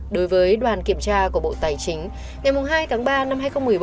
đối với đoàn kiểm tra của bộ tài chính ngày hai tháng ba năm hai nghìn một mươi bốn